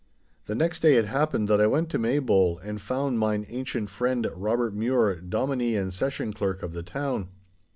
The next day it happened that I went to Maybole and found mine ancient friend, Robert Mure, Dominie and Session Clerk of the town.